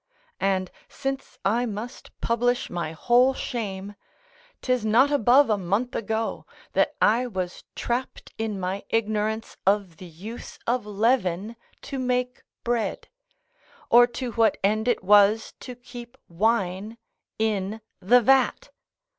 And, since I must publish my whole shame, 'tis not above a month ago, that I was trapped in my ignorance of the use of leaven to make bread, or to what end it was to keep wine in the vat.